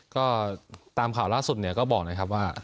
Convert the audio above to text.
ก็ตามข่าวล่าสุดเนี่ยก็บอกนะครับว่า